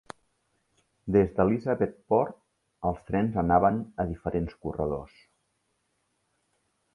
Des d'Elizabethport, els trens anaven a diferents corredors.